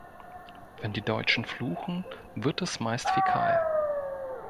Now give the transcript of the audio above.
Wenn die Deutschen fluchen, wird es meist fäkal.